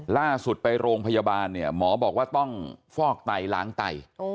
ล่าสุดไปโรงพยาบาลเนี่ยหมอบอกว่าต้องฟอกไตล้างไต